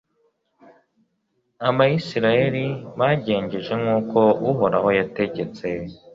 abayisraheli bagenjeje nk'uko uhoraho yategetse